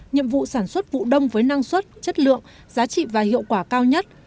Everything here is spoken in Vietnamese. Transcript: nhiệm vụ sản xuất vụ đông với năng suất chất lượng giá trị và hiệu quả cao nhất